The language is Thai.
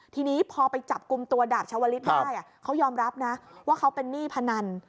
ทีนี้พอไปจับกลุ่มตัวดาบชาวลิศได้เขายอมรับนะว่าเขาเป็นหนี้พนัน